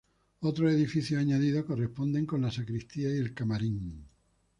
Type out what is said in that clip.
Otros edificios añadidos corresponden con la sacristía y el camarín.